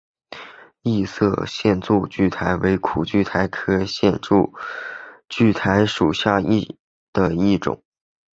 异色线柱苣苔为苦苣苔科线柱苣苔属下的一个种。